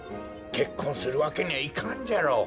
けっこんするわけにはいかんじゃろ。